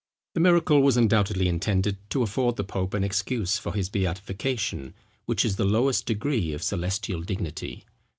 The miracle was undoubtedly intended to afford the pope an excuse for his beatification, which is the lowest degree of celestial dignity.